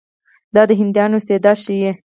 دا د هندیانو استعداد ښيي.